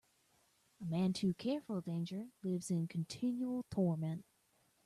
A man too careful of danger lives in continual torment.